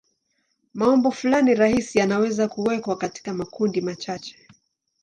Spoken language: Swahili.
Maumbo fulani rahisi yanaweza kuwekwa katika makundi machache.